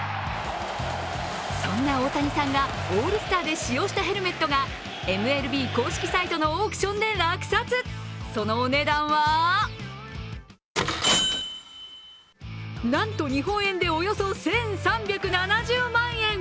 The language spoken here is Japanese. そんな大谷さんがオールスターで使用したヘルメットがＭＬＢ公式サイトのオークションで落札、そのお値段はなんと日本円でおよそ１３７０万円。